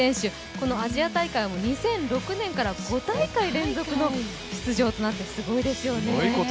このアジア大会も２００６年から５大会連続の出場となって、すごいですよね。